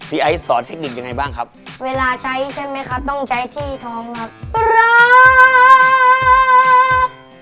ไอซ์สอนเทคนิคยังไงบ้างครับเวลาใช้ใช่ไหมครับต้องใช้ที่ท้องครับ